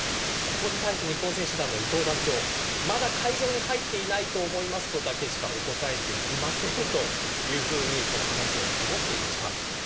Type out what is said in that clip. ここに対して、日本選手団の伊東団長、まだ会場に入っていないだけだと思いますとしかお答えできませんというふうに話を濁していました。